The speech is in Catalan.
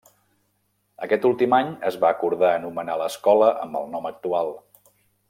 Aquest últim any es va acordar anomenar l'escola amb el nom actual: